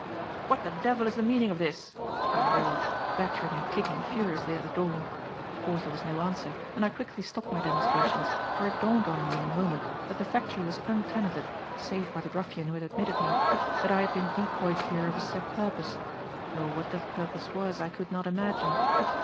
"What the devil is the meaning of this?" I roared, battering and kicking furiously at the door. Of course there was no answer, and I quickly stopped my demonstrations, for it dawned on me in a moment that the factory was untenanted save by the ruffian who had admitted me; that I had been decoyed here of a set purpose, though what that purpose was I could not imagine.